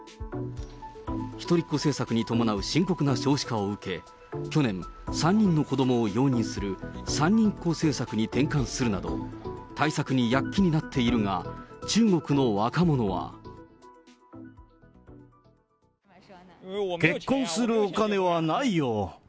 一人っ子政策に伴う深刻な少子化を受け、去年、３人の子どもを容認する三人っ子政策に転換するなど、対策に躍起になっているが、中国の若者は。結婚するお金はないよ。